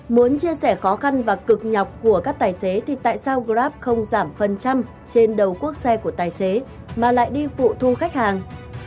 muốn chia sẻ khó khăn và cực nhọc của các tài xế thì tại sao grab không giảm phần trăm trên đầu quốc xe của tài xế mà lại đi phụ thu khách hàng